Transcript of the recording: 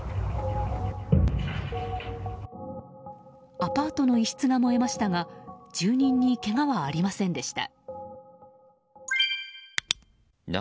アパートの一室が燃えましたが住人にけがはありませんでした。